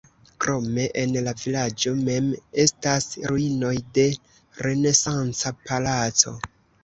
Krome en la vilaĝo mem estas ruinoj de renesanca palaco.